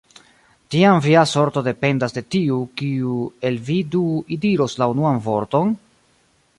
Tiam via sorto dependas de tiu, kiu el vi du diros la unuan vorton?